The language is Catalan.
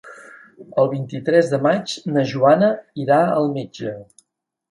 El vint-i-tres de maig na Joana irà al metge.